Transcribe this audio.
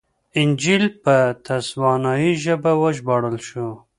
انجییل په تسوانایي ژبه وژباړل شو.